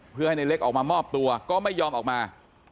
เพื่อให้ในเล็กออกมามอบตัวก็ไม่ยอมออกมา